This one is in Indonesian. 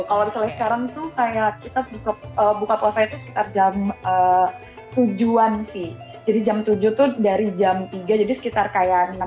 kalau misalnya sekarang tuh kayak kita buka puasanya itu sekitar jam tujuan sih jadi jam tujuh tuh dari jam tiga jadi sekitar kayak enam belas jam